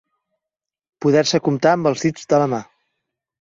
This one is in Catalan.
Poder-se comptar amb els dits de la mà.